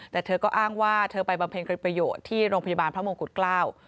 แต่เธอก็อ้างว่าเธอไปบำเพ็ญกริประโยชน์ที่โรงพยาบาลพระมงกุฎเกล้า